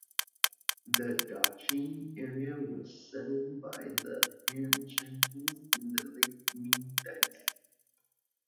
The Dacheng area was settled by the Han Chinese in the late Ming Dynasty.